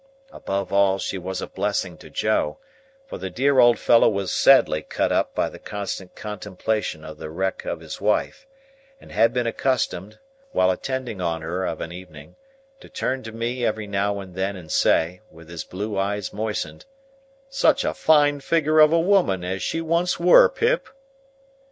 Above all, she was a blessing to Joe, for the dear old fellow was sadly cut up by the constant contemplation of the wreck of his wife, and had been accustomed, while attending on her of an evening, to turn to me every now and then and say, with his blue eyes moistened, "Such a fine figure of a woman as she once were, Pip!"